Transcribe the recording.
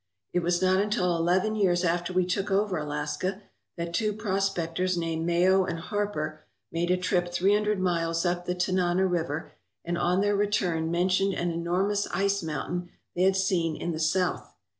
It was not until eleven years after we took over Alaska that two prospectors named Mayo and Harper made a trip three hundred miles up the Tanana River and on their return mentioned an enormous ice mountain they had seen in the south.